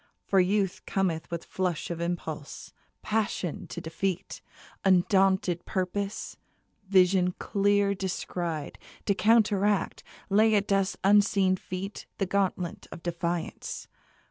For Youth cometh With flush of impulse, passion to defeat, Undaunted purpose, vision clear descried, To counteract, lay at Death's unseen feet The gauntlet of defiance.